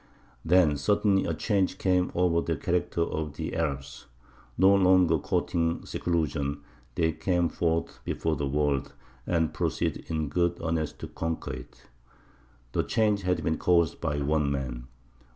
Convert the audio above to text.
Then suddenly a change came over the character of the Arabs. No longer courting seclusion, they came forth before the world, and proceeded in good earnest to conquer it. The change had been caused by one man.